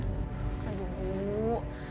ibu udah setrikain ini semua